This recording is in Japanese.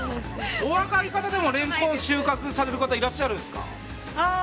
お若い方でもレンコンを収穫される方いらっしゃるんですか？